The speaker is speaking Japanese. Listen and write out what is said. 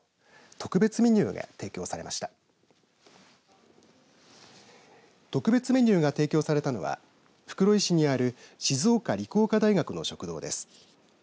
特別メニューが提供されたのは袋井市にある静岡理工科大学の食堂です。